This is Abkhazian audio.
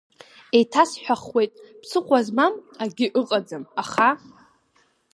Еиҭасҳәахуеит, ԥсыхәа змам акгьы ыҟаӡам, аха…